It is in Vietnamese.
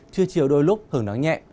trưa chiều đôi lúc hưởng nắng nhẹ